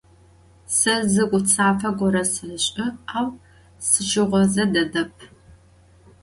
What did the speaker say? Se zı gutsafe gore seş'ı, au sışığoze dedep.